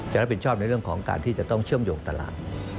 จะรับผิดชอบในเรื่องของการที่จะต้องเชื่อมโยงตลาด